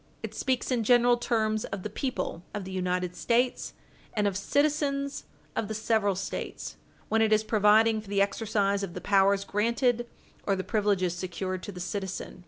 It speaks in general terms of the people of the United States, and of citizens of the several States, when it is providing for the exercise of the powers granted or the privileges secured to the citizen.